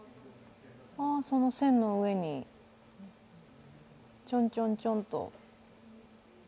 線の上に、ちょんちょんちょんと。